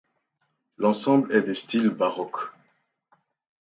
L'ensemble est de style baroque.